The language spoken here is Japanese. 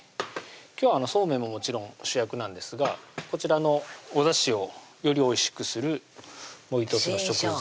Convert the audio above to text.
今日はそうめんももちろん主役なんですがこちらのおだしをよりおいしくするもう１つの食材